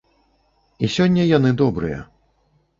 І сёння яны добрыя.